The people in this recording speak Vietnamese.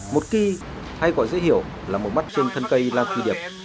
một cây hay gọi dễ hiểu là một mắt trên thân cây lan quỳ điệp